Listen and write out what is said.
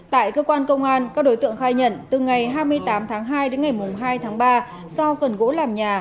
tại cơ quan công an các đối tượng khai nhận từ ngày hai mươi tám tháng hai đến ngày hai tháng ba do cần gỗ làm nhà